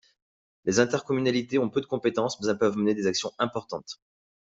Les intercommunalités ont peu de compétences mais elles peuvent mener des actions importantes.